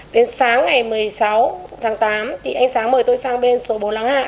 đến sáng ngày một mươi sáu tháng tám anh sáng mời tôi sang bên số bốn lăng hạ